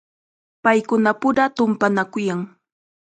Paykunapura tumpanakuyan.